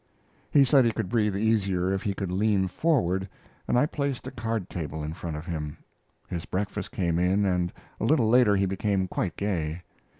He said he could breathe easier if he could lean forward, and I placed a card table in front of him. His breakfast came in, and a little later he became quite gay.